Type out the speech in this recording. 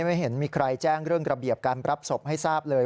ไม่เห็นมีใครแจ้งเรื่องระเบียบการรับศพให้ทราบเลย